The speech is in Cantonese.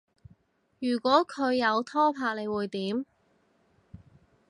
如果佢有拍拖你會點？